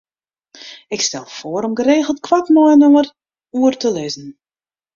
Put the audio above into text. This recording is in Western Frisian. Ik stel foar om geregeld koart mei-inoar oer te lizzen.